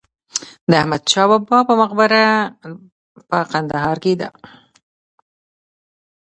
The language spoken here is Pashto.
د احمدشاه بابا په مقبره په کندهار کې ده.